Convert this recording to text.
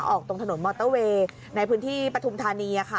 ออกตรงถนนมอเตอร์เวย์ในพื้นที่ปฐุมธานีค่ะ